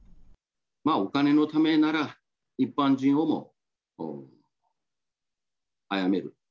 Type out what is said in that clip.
まあ、お金のためなら、一般人をもあやめる。